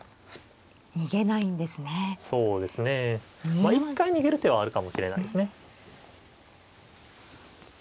まあ一回逃げる手はあるかもしれないですね。